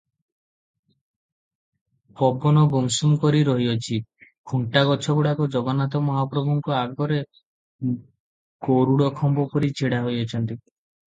ପବନ ଗୁମସୁମ କରି ରହିଅଛି, ଖୁଣ୍ଟା ଗଛଗୁଡ଼ାକ ଜଗନ୍ନାଥ ମହାପ୍ରଭୁଙ୍କ ଆଗରେ ଗରୁଡ଼ଖମ୍ବ ପରି ଛିଡ଼ା ହୋଇଅଛନ୍ତି ।